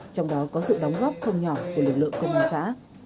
trong đó có sự đóng góp không nhỏ của lực lượng công an xã